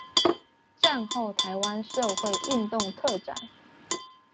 戰後臺灣社會運動特展